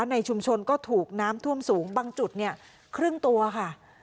ในชุมชนก็ถูกน้ำท่วมสูงบางจุดเนี่ยครึ่งตัวค่ะ